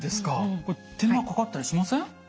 これ手間かかったりしません？